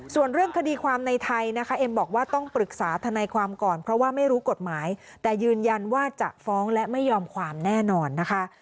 ส่วนเรื่องคดีความในไทยนะคะเอ็มบอกว่าต้องปรึกษาทนายความก่อนเพราะว่าไม่รู้กฎหมายแต่ยืนยันว่าจะฟ้องและไม่ยอมความแน่นอนนะคะ